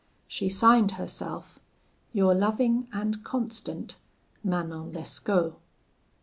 She signed herself, 'Your loving and constant, MANON LESCAUT.'